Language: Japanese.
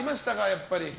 やっぱり。